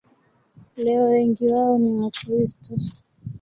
Leo wengi wao ni Wakristo.